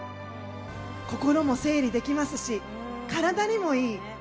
心も整理できますし、体にもいい。